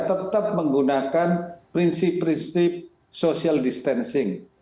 tetap menggunakan prinsip prinsip social distancing